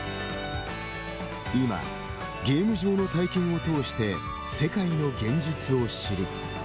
今、ゲーム上の体験を通して世界の現実を知る。